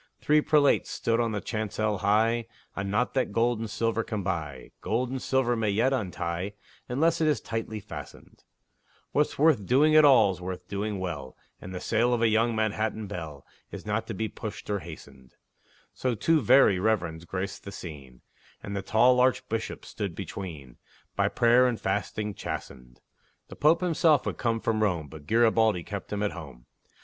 Three prelates stood on the chancel high: A knot that gold and silver can buy, Gold and silver may yet untie, Unless it is tightly fastened; What's worth doing at all's worth doing well, And the sale of a young Manhattan belle Is not to be pushed or hastened; So two Very Reverends graced the scene, And the tall Archbishop stood between, By prayer and fasting chastened. The Pope himself would have come from Rome, But Garibaldi kept him at home.